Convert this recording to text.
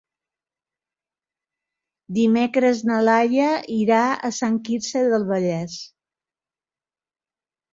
Dimecres na Laia irà a Sant Quirze del Vallès.